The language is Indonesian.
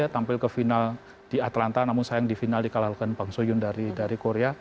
tampil ke final di atlanta namun sayang di final dikalahkan bang soyun dari korea